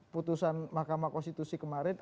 putusan mahkamah konstitusi kemarin